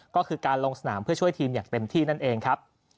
ก็คือการลงสนามเพื่อช่วยทีมอย่างเต็มที่นั่นเองครับ